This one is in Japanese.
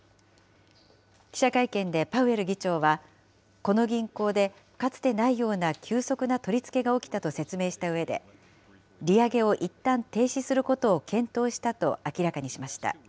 記者会見でパウエル議長は、この銀行でかつてないような急速な取り付けが起きたと説明したうえで、利上げをいったん停止することを検討したと明らかにしました。